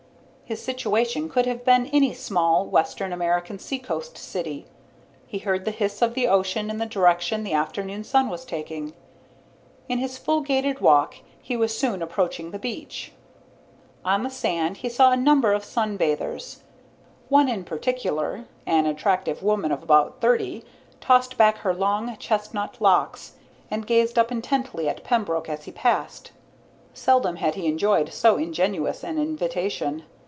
His situation could have been any small western American seacoast city. He heard the hiss of the ocean in the direction the afternoon sun was taking. In his full gaited walk, he was soon approaching the beach. On the sand he saw a number of sun bathers. One in particular, an attractive woman of about thirty, tossed back her long, chestnut locks and gazed up intently at Pembroke as he passed. Seldom had he enjoyed so ingenuous an invitation.